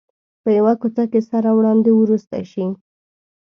په یوه کوڅه کې سره وړاندې ورسته شي.